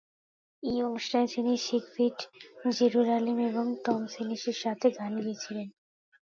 এই অনুষ্ঠানে তিনি সিগফ্রিড জেরুজালেম এবং জন টমলিনসনের সাথে গান গেয়েছিলেন।